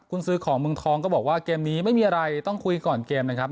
คุณซื้อของเมืองทองก็บอกว่าเกมนี้ไม่มีอะไรต้องคุยก่อนเกมนะครับ